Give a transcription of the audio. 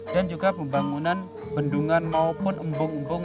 dan juga pembangunan bendungan maupun umpung umbung